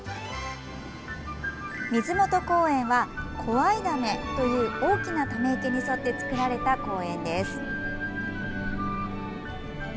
水元公園は小合溜という大きなため池に沿って造られた公園です。